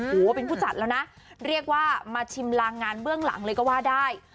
โอ้โหเป็นผู้จัดแล้วนะเรียกว่ามาชิมลางงานเบื้องหลังเลยก็ว่าได้